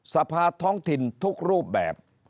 สภาท้องถิ่นทุกรูปแบบ